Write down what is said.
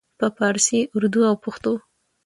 په پارسي، اردو او پښتو